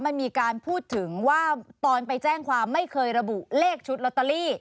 มันมีการพูดถึงว่าตอนไปแจ้งความไม่เคยระบุเลขชุดลอตเตอรี่